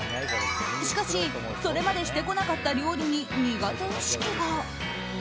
しかし、それまでしてこなかった料理に苦手意識が。